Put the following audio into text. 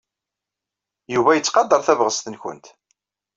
Yuba yettqadar tabɣest-nwent.